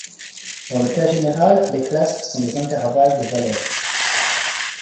Dans le cas général, les classes sont des intervalles de valeurs.